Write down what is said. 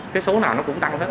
cái số nào nó cũng tăng hết